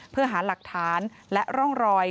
เพื่อหาหลักฐานและร่องรอย